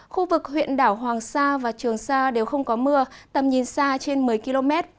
khu vực huyện đảo hoàng sa và trường sa đều không có mưa tầm nhìn xa trên một mươi km